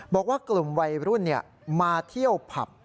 บอกว่ากลุ่มวัยรุ่นมาเที่ยวผับ